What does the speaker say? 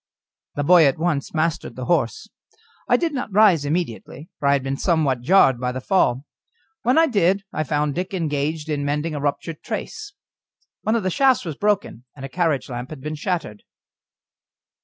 The boy at once mastered the horse. I did not rise immediately, for I had been somewhat jarred by the fall; when I did I found Dick engaged in mending a ruptured trace. One of the shafts was broken, and a carriage lamp had been shattered.